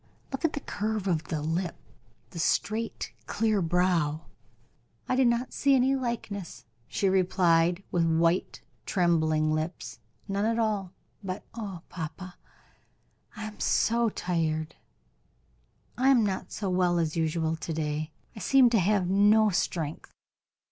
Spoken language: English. Look at the curve of the lip, the straight, clear brow!" "I do not see any likeness," she replied, with white, trembling lips, "none at all; but, oh! papa, I am so tired. I am not so well as usual to day; I seem to have no strength."